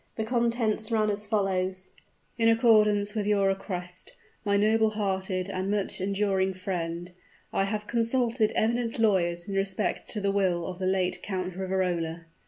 The contents ran as follows: "In accordance with your request, my noble hearted and much enduring friend, I have consulted eminent lawyers in respect to the will of the late Count of Riverola.